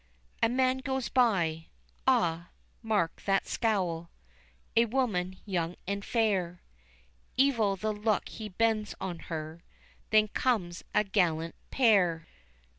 A man goes by ah, mark that scowl A woman young and fair, Evil the look he bends on her Then comes a gallant pair.